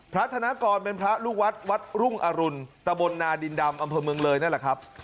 พระธนกรเป็นพระลูกวัดวัดรุ่งอรุณตะบลนาดินดำอำเภอเมืองเลยนั่นแหละครับ